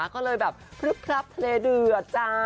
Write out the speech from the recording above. ก็เลยแบบพลึบพลับทะเลเดือดจ้า